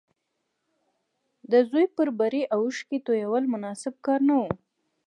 د زوی پر بري اوښکې تويول مناسب کار نه و